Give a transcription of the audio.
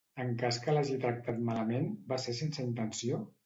En cas que l'hagi tractat malament, va ser sense intenció?